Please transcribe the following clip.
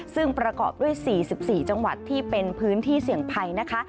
ซึ่งประกอบด้วย๔๔จังหวัดที่เป็นพื้นที่เสี่ยงภัยนะคะ